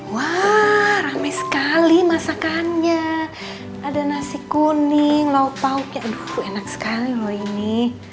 wah ramai sekali masakannya ada nasi kuning lauk lauknya enak sekali loh ini